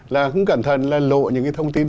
là cũng cẩn thận là lộ những cái thông tin